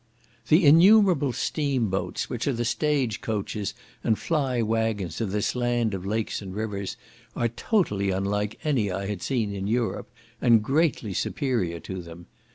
The innumerable steam boats, which are the stage coaches and fly waggons of this land of lakes and rivers, are totally unlike any I had seen in Europe, and greatly superior to them.